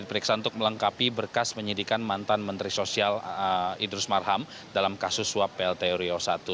diperiksa untuk melengkapi berkas menyidikan mantan menteri sosial idrus marham dalam kasus suap plt uriau i